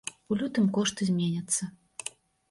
У лютым кошты зменяцца.